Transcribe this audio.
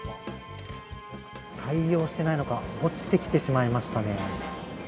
対応していないのか、落ちてきてしまいましたね。